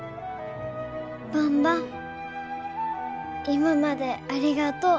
今までありがとう。